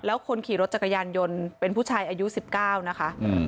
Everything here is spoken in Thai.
แล้วคนขี่รถจักรยานยนต์เป็นผู้ชายอายุ๑๙นะคะ